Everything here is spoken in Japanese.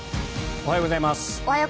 おはようございます。